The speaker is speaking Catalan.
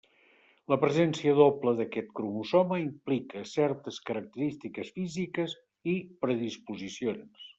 La presència doble d'aquest cromosoma implica certes característiques físiques i predisposicions.